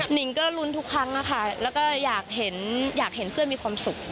นิงก็ลุ้นทุกครั้งนะคะแล้วก็อยากเห็นเพื่อนมีความสุข